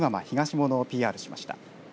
ものをＰＲしました。